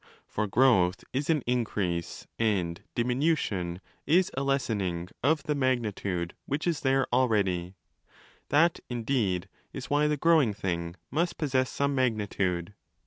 For growth is an in crease, and diminution is a lessening, of the magnitude which is there already—that, indeed, is why the growing thing must possess some magnitude.